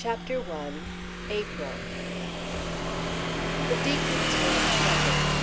SEPTEMBER I APRIL The Deacons were at supper.